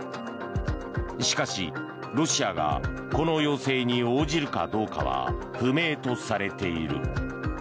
しかし、ロシアがこの要請に応じるかどうかは不明とされている。